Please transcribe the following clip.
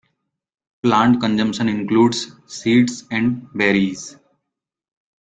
Plant consumption includes seeds and berries.